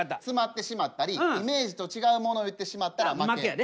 詰まってしまったりイメージと違うものを言ってしまったら負け。